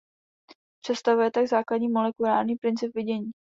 Představuje tak základní molekulární princip vidění.